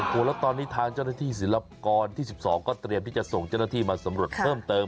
แล้วตอนนี้ทางเจ้าหน้าที่ศิลปากรที่๑๒ก็เตรียมที่จะส่งเจ้าหน้าที่มาสำรวจเพิ่มเติม